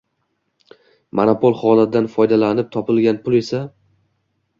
Monopol holatdan foydalanib topilgan pul esa